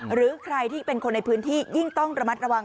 หรือใครที่เป็นคนในพื้นที่ยิ่งต้องระมัดระวัง